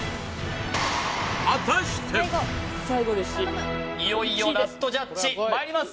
見事いよいよラストジャッジまいります